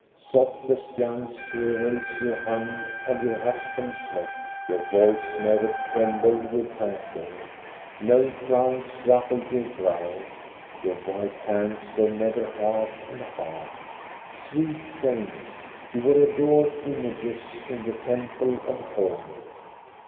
Soft as young squirrels you hung on your husband's neck, your voice never trembled with anger, no frowns ruffled your brow, your white hands were never harsh and hard. Sweet saints, you were adored images in the temple of home.